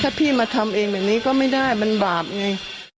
ถ้าพี่มาทำเองแบบนี้ก็ไม่ได้มันบาปไง